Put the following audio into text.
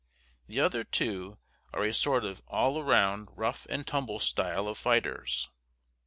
The other two are a sort of "all round" rough and tumble style of fighters.